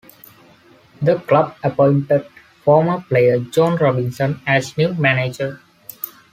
The club appointed former player Jon Robinson as new manager.